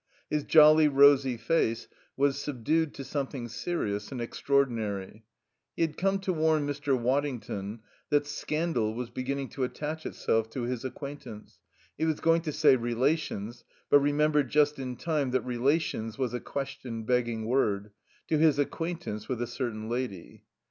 His jolly, rosy face was subdued to something serious and extraordinary. He had come to warn Mr. Waddington that scandal was beginning to attach itself to his acquaintance he was going to say "relations," but remembered just in time that "relations" was a question begging word to his acquaintance with a certain lady.